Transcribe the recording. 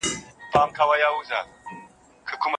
خپل مخ په پاکه دستمال سره مدام په پوره ډول وچ وساتئ.